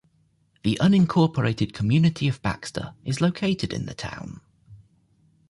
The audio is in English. The unincorporated community of Baxter is located in the town.